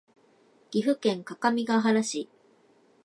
岐阜県各務原市